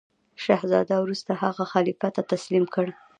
شهزاده وروسته هغه خلیفه ته تسلیم کړ.